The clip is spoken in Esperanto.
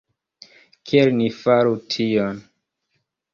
Kiel ni faru tion?